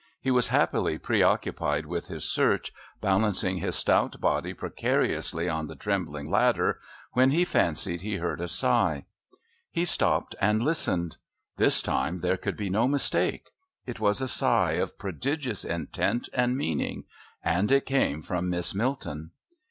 He was happily preoccupied with his search, balancing his stout body precariously on the trembling ladder, when he fancied that he heard a sigh. He stopped and listened; this time there could be no mistake. It was a sigh of prodigious intent and meaning, and it came from Miss Milton.